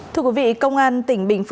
thưa quý vị công an tỉnh bình phú